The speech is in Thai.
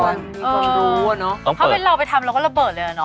เพราะเป็นเราไปทำเราก็ระเบิดเลยนะ